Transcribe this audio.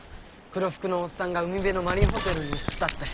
黒服のオッサンが海辺のマリンホテルに移ったって。